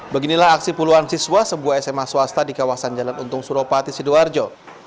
beginilah aksi puluhan siswa sebuah sma swasta di kawasan jalan untung suropati sidoarjo